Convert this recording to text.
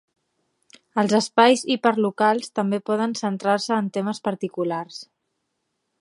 Els espais hiperlocals també poden centrar-se en temes particulars.